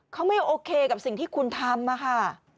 เขาไม่โอเคกับสิ่งที่คุณทำค่ะ